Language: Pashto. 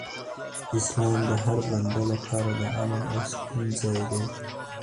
اسلام د هر بنده لپاره د امن او سکون ځای دی.